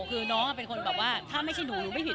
คือน้องเป็นคนแบบว่าถ้าไม่ใช่หนูหนูไม่ผิด